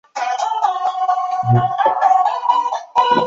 之后甚至将商那和修改成是末田底迦弟子。